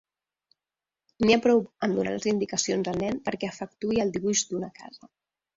N'hi ha prou amb donar les indicacions al nen perquè efectuï el dibuix d'una casa.